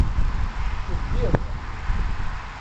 Teddiḍ.